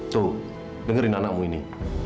tuh dengerin anakmu ini